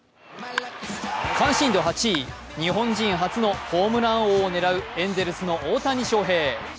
関心度８位、日本人初のホームラン王を狙うエンゼルスの大谷翔平。